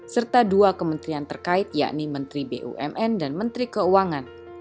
serta dua kementerian terkait yakni menteri bumn dan menteri keuangan